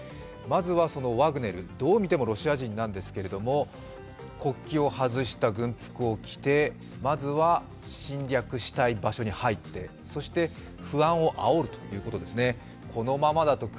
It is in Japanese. まずはワグネルどう見てもロシア人なんですけど国旗を外した軍服を着て、まずは侵略したい場所に入ってそして、不安をあおるということですね。